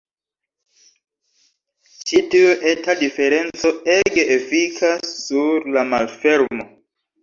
Ĉi tiu eta diferenco ege efikas sur la malfermo.